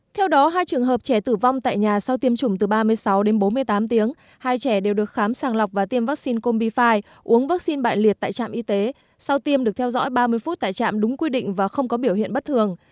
theo đó hai trường hợp trẻ tử vong tại nhà sau tiêm chủng từ ba mươi sáu đến bốn mươi tám tiếng hai trẻ đều được khám sàng lọc và tiêm vaccine com bifi uống vaccine bại liệt tại trạm y tế sau tiêm được theo dõi ba mươi phút tại trạm đúng quy định và không có biểu hiện bất thường